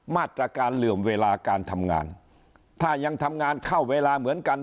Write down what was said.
มาตรการเหลื่อมเวลาการทำงานถ้ายังทำงานเข้าเวลาเหมือนกัน